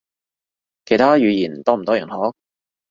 其他語言多唔多人學？